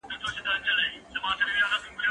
دا کار له هغه اسانه دی،